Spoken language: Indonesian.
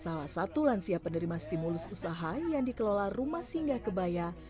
salah satu lansia penerima stimulus usaha yang dikelola rumah singgah kebaya